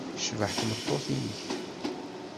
Tecbeḥ tmeṭṭut-nnek?